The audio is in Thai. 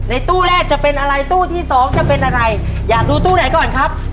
ตู้แรกจะเป็นอะไรตู้ที่สองจะเป็นอะไรอยากดูตู้ไหนก่อนครับ